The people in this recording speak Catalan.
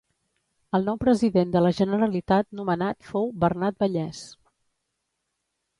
El nou president de la Generalitat nomenat fou Bernat Vallès.